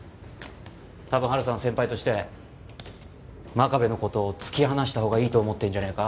多分春さんは先輩として真壁の事を突き放したほうがいいと思ってるんじゃねえか？